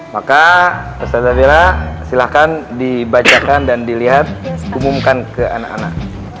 maka saudara silahkan dibacakan dan dilihat umumkan ke anak anak